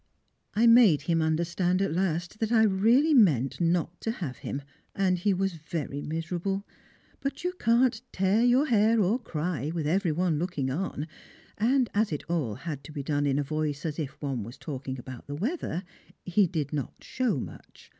I made him understand at last that I really meant not to have him, and he was very miserable. But you can't tear your hair or cry, with every one looking on, and, as it all had to be done in a voice as if one was talking about the weather, he did not show much.